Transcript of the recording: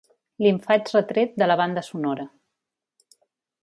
Li'n faig retret, de la banda sonora.